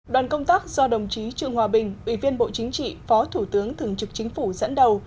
đoàn công tác do đồng chí trương hòa bình ủy viên bộ chính trị phó thủ tướng thường trực chính phủ dẫn đầu